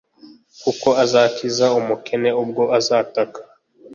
Kuko azakiza umukene ubwo azataka